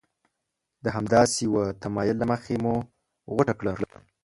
د همداسې یوه تمایل له مخې مو غوټه کړه.